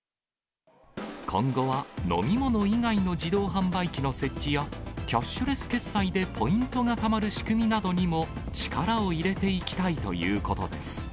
今後は、飲み物以外の自動販売機の設置や、キャッシュレス決済でポイントがたまる仕組みなどにも、力を入れていきたいということです。